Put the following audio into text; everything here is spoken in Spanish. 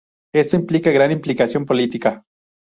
Esto implica gran implicación política.